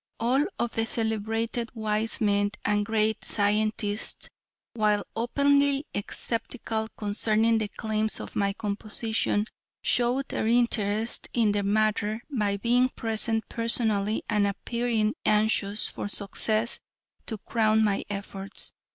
All of the celebrated wise men and great scientists, while openly skeptical concerning the claims of my composition, showed their interest in the matter by being present personally and appearing anxious for success to crown my efforts.